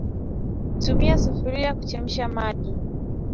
Tumia sufuria kuchemsha maji